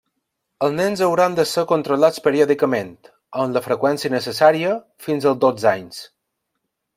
Els nens hauran de ser controlats periòdicament, amb la freqüència necessària, fins als dotze anys.